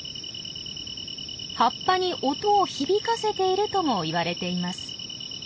葉っぱに音を響かせているとも言われています。